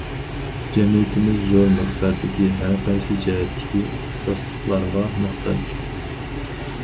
جەمئىيىتىمىز زور مىقداردىكى، ھەر قايسى جەھەتتىكى ئىختىساسلىقلارغا موھتاج.